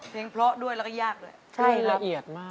เพลงเพราะด้วยแล้วก็แยก